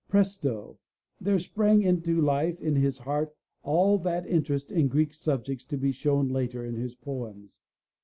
Presto! there sprang into life in his heart all that interest in Greek subjects to be shown later in his poems.